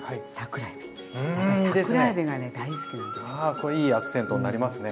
これいいアクセントになりますね。